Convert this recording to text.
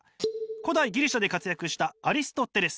古代ギリシアで活躍したアリストテレス。